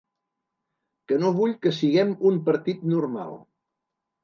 Que no vull que siguem un partit normal.